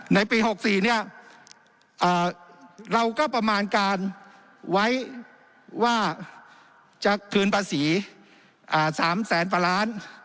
ในปี๖๔เนี่ยเราก็ประมาณการไว้ว่าจะคืนภาษี๓แสนกว่าล้าน